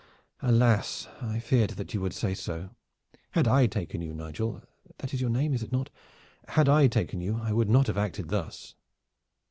"Alas! I feared that you would say so. Had I taken you, Nigel that is your name, is it not? had I taken you, I would not have acted thus."